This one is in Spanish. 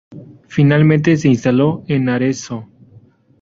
Finalmente se instaló en Arezzo.